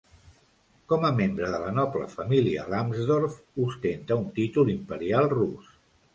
Com a membre de la noble família Lambsdorff, ostenta un títol Imperial rus.